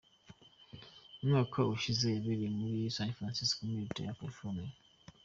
Umwaka ushize yabereye i San Francisco muri Leta ya Calfornia.